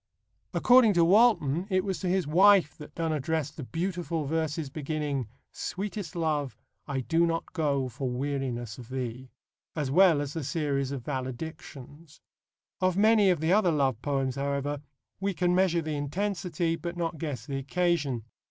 According to Walton, it was to his wife that Donne addressed the beautiful verses beginning: Sweetest love, I do not go For weariness of thee; as well as the series of Valedictions. Of many of the other love poems, however, we can measure the intensity but not guess the occasion.